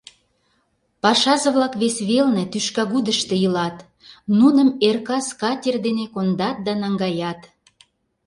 Пашазе-влак вес велне тӱшкагудышто илат, нуным эр-кас катер дене кондат да наҥгаят.